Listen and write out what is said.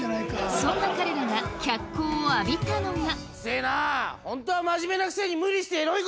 そんな彼らが脚光を浴びたのがうるせぇなあ！